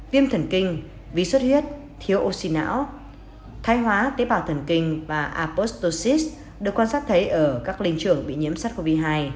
viêm thần kinh vi xuất huyết thiếu oxy não thai hóa tế bào thần kinh và apostocis được quan sát thấy ở các linh trưởng bị nhiễm sars cov hai